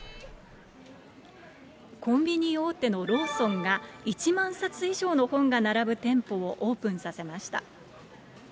コンビニ大手のローソンが、１万冊以上の本が並ぶ店舗をオープンさせました。